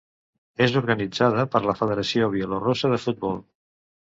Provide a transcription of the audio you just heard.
És organitzada per la Federació Bielorussa de Futbol.